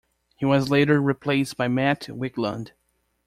He was later replaced by Matt Wicklund.